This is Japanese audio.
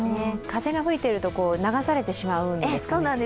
風が吹いていると流されてしまうんですね。